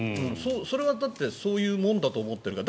それはだってそういうものだと思ってるから。